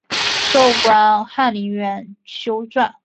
授官翰林院修撰。